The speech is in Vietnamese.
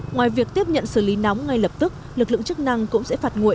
ngoài việc tiếp nhận xử lý nóng ngay lập tức lực lượng chức năng cũng sẽ phạt nguộ